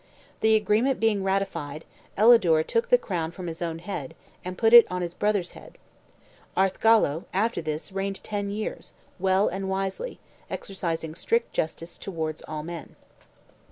The agreement being ratified, Elidure took the crown from his own head, and put it on his brother's head. Arthgallo after this reigned ten years, well and wisely, exercising strict justice towards all men.